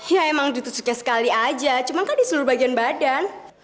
ya emang ditusukin sekali aja cuma kan di seluruh bagian badan